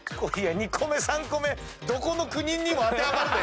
２個目３個目どこの国にも当てはまるで！